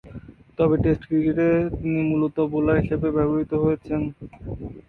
তবে, টেস্ট ক্রিকেটে তিনি মূলতঃ বোলার হিসেবে ব্যবহৃত হয়েছেন।